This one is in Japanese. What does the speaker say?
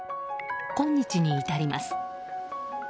今日に至ります。